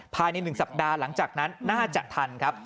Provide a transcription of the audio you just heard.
ภายใน๑สัปดาห์หลังจากนั้นน่าจะทันครับ